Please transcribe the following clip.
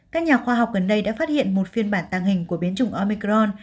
các nhà khoa học gần đây đã phát hiện một phiên bản tàng hình của biến chủng omicron